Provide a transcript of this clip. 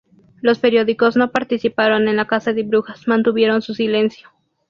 Los periódicos no participaron en la caza de brujas, mantuvieron su silencio.